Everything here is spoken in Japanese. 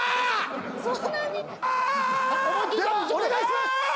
お願いします！